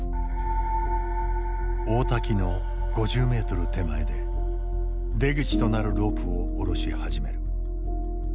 大滝の５０ｍ手前で出口となるロープを下ろし始める。